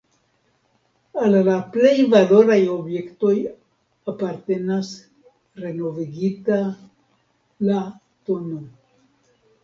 Al la plej valoraj objektoj apartenas renovigita, la tn.